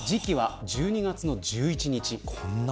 時期は１２月の１１日。